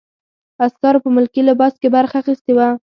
عسکرو په ملکي لباس کې برخه اخیستې وه.